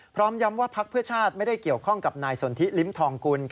พร้อมย้ำว่าพักเพื่อชาติไม่ได้เกี่ยวข้องกับนายสนทิลิ้มทองกุล